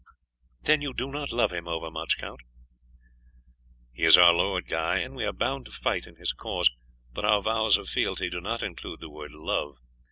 "Then you do not love him overmuch, Count?" "He is our lord, Guy, and we are bound to fight in his cause, but our vows of fealty do not include the word love.